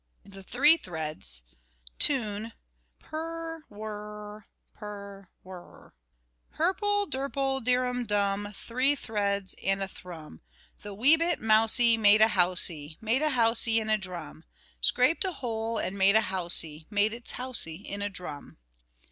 THE THREE THREADS. (Tune, PURR WURR R R, PURR WURR R R.) Hirple, dirple, dirrum dum, Three threads and a thrum,[6 (1)] The wee bit mousie Made a housie, Made a housie in a drum; Scraped a hole, And made a housie, Made its housie in a drum.